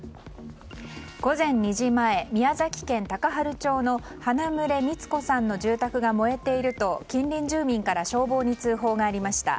午前２時前、宮崎県高原町の花牟礼ミツ子さんの住宅が燃えていると近隣住民から消防に通報がありました。